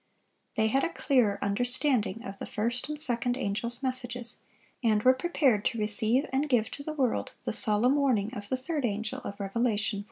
They had a clearer understanding of the first and second angels' messages, and were prepared to receive and give to the world the solemn warning of the third angel of Revelation 14.